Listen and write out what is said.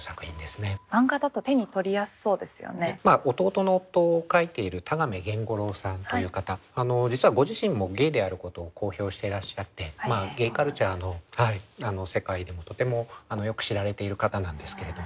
「弟の夫」を書いている田亀源五郎さんという方実はご自身もゲイであることを公表していらっしゃってゲイカルチャーの世界でもとてもよく知られている方なんですけれど。